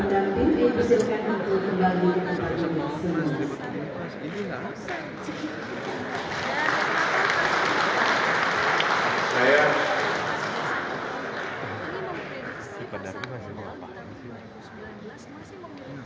terima kasih pak